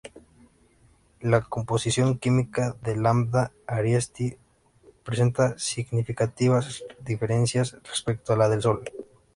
La composición química de Lambda Arietis presenta significativas diferencias respecto a la del Sol.